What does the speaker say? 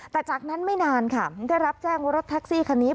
แต่จากนั้นไม่นานค่ะได้รับแจ้งว่ารถแท็กซี่คันนี้